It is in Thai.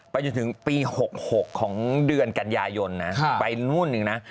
จนถึงปี๖๖ของเดือนกันยายนนะไปนู่นหนึ่งนะ